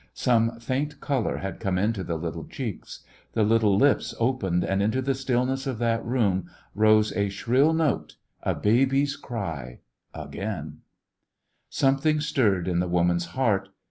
Some faint color had come into the little cheeks. The little lips opened, and into the stillness of that room rose a shrill note, a baby's cry again t Something stirred in the woman's heart.